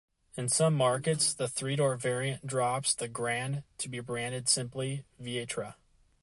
In some markets the three-door variant drops the "Grand" to be branded simply "Vitara".